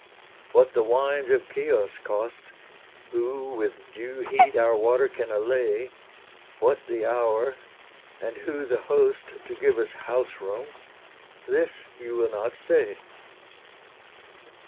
What the wines of Chios cost, Who with due heat our water can allay, What the hour, and who the host To give us house room, this you will not say.